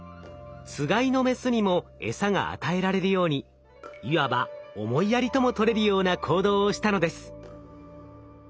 つがいのメスにもエサが与えられるようにいわば思いやりとも取れるような行動をしたのです。